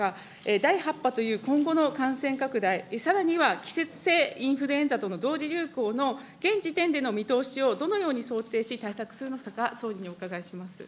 第８波という今後の感染拡大、さらには季節性インフルエンザとの同時流行の現時点での見通しをどのように想定し、対策するのか、総理にお伺いします。